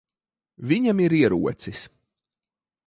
Viņam ir ierocis.